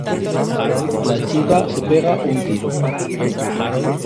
La chica se pega un tiro.